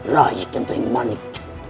rai kentering manik